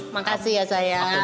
makasih ya sayang